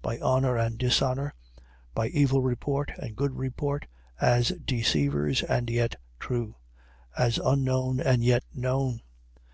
By honour and dishonour: by evil report and good report: as deceivers and yet true: as unknown and yet known: 6:9.